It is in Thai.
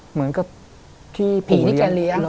เหมือนกับที่ผีที่แกเลี้ยง